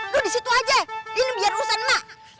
lu disitu aja ini biar urusan emak